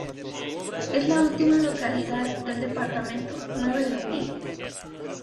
Es la última localidad del departamento Nueve de Julio.